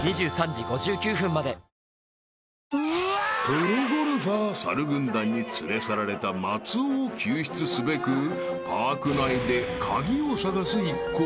［プロゴルファー猿軍団に連れ去られた松尾を救出すべくパーク内で鍵を探す一行］